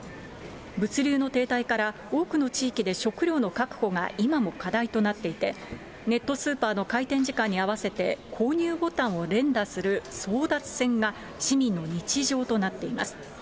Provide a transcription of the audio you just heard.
物流の停滞から、多くの地域で食料の確保が今も課題となっていて、ネットスーパーの開店時間に合わせて購入ボタンを連打する争奪戦が、市民の日常となっています。